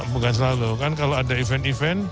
bukan selalu kan kalau ada event event